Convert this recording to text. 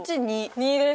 ２です。